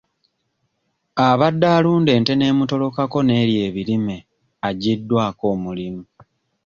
Abadde alunda ente n'emutolokako n'erya ebirime aggyiddwako omulimu.